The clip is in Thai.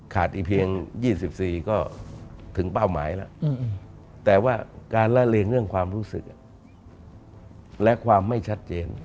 อีกเพียง๒๔ก็ถึงเป้าหมายแล้วแต่ว่าการละเลงเรื่องความรู้สึกและความไม่ชัดเจน